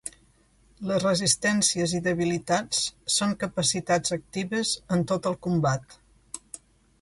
Les resistències i debilitats són capacitats actives en tot el combat.